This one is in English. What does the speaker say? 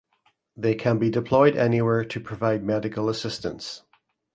They can be deployed anywhere to provide medical assistance.